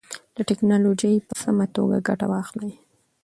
له ټکنالوژۍ په سمه توګه ګټه واخلئ.